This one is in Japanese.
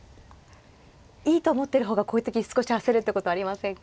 いいと思ってる方がこういう時少し焦るってことありませんか？